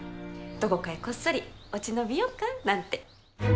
どこかへこっそり落ち延びようかなんて。